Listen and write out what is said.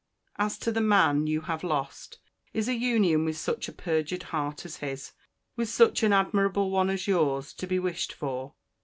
As to the man you have lost, is an union with such a perjured heart as his, with such an admirable one as your's, to be wished for?